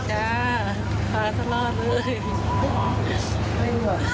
จ้ามาตลอดเลย